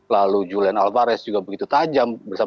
lalu julian alvarez juga begitu tajam